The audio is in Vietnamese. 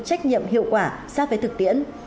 trách nhiệm hiệu quả sát với thực tiễn